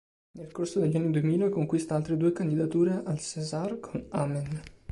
Nel corso degli anni duemila conquista altre due candidature al César, con "Amen.